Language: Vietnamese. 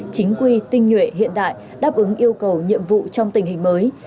chính quy tinh nhuệ hiện đại đáp ứng yêu cầu nhiệm vụ trong tình hình mới